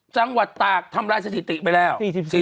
จังหวัดตากทำลายสถิติไปแล้ว